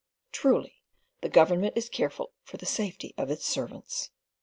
Truly the Government is careful for the safety of its servants.